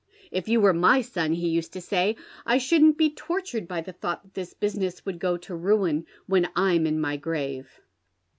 ' If you were my son,' he used to say, ' I shouldn't be tortured by the thought that this business would go to ruin when I'm in my grave.'